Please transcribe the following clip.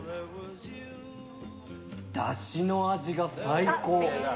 だしの味が最高。